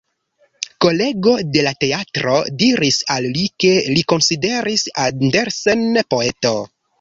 Kolego de la teatro diris al li ke li konsideris Andersen poeto.